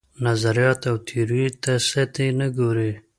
نظریاتو او تیوریو ته سطحي نه ګوري.